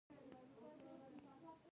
نمک د افغانستان د سیلګرۍ برخه ده.